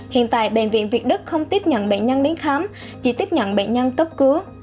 hiện tại bệnh viện việt đức không tiếp nhận bệnh nhân đến khám chỉ tiếp nhận bệnh nhân cấp cứu